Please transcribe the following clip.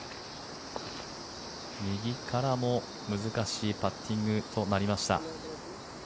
右からも難しいパッティングとなりました。